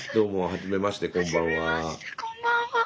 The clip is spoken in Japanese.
はじめましてこんばんは。